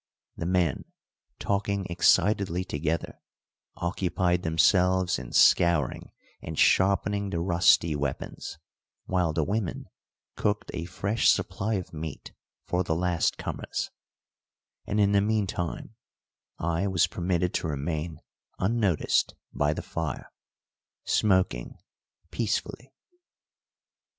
The men, talking excitedly together, occupied themselves in scouring and sharpening the rusty weapons, while the women cooked a fresh supply of meat for the last comers; and in the meantime I was permitted to remain unnoticed by the fire, smoking peacefully.